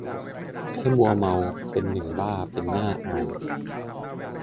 ให้มัวเมา เหมือนหนึ่งบ้า เป็นน่าอาย